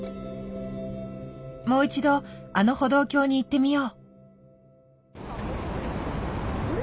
もう一度あの歩道橋に行ってみよう。